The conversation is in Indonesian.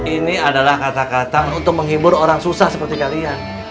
ini adalah kata kata untuk menghibur orang susah seperti kalian